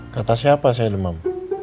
kata siapa saya demam